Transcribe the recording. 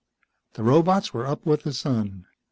The robots were up with the sun.